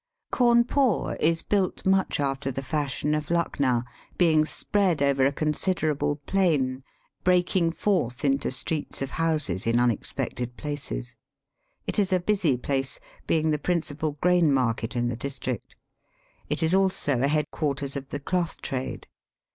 Cawnpore is built much after the fashion of Lucknow, being spread over a considerable plain, breaking forth into streets of houses in unexpected places. It is a busy place, being the principal grain market in the district. It is also a head quarters of the cloth trade.